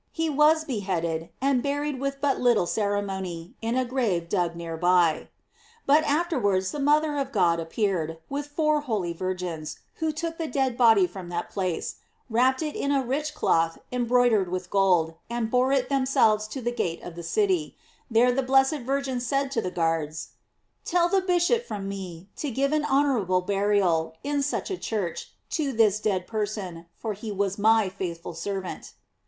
He was beheaded, and buried with but little cere mony, in a grave dug near by. But afterwards the mother of God appeared, with four holy vir gins, who took the dead body from that place, wrapped it in a rich cloth embroidered with gold, and bore it themselves to the gate of the city; there the blessed Virgin said to the guards: "Tell the bishop from me, to give an honorable burial, in such a church, to this dead person, for he was my faithful servant."